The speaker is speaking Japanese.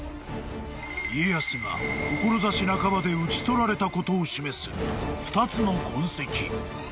［家康が志半ばで討ち取られたことを示す２つの痕跡］